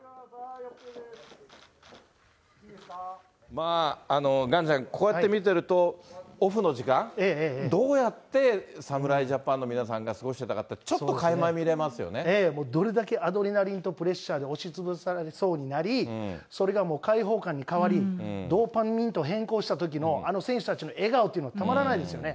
まあ、岩ちゃん、こうやって見てるとオフの時間、どうやって侍ジャパンの皆さんが過ごしてたかって、ええ、どれだけアドレナリンとプレッシャーに押しつぶされそうになり、それがもう解放感に変わり、ドーパミンと変更したときのあの選手たちの笑顔っていうのはたまらないですよね。